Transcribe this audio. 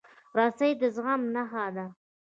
رسۍ د زغم نښه ده.